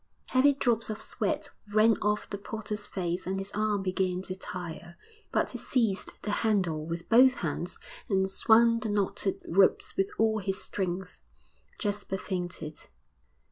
Heavy drops of sweat ran off the porter's face and his arm began to tire; but he seized the handle with both hands and swung the knotted ropes with all his strength. Jasper fainted.